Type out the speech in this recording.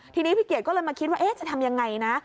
ทีนี้พี่เกียจก็เลยมาคิดว่าจะทำยังไงนะ